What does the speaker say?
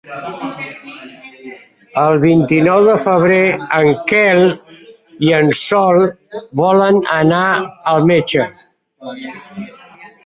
El vint-i-nou de febrer en Quel i en Sol volen anar al metge.